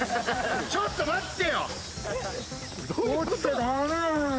ちょっと待ってよ。